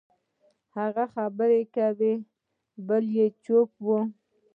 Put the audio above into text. هغوی خبرې کوي، بل یې چوپ وي.